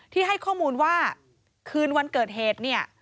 ให้ข้อมูลว่าคืนวันเกิดเหตุเนี่ย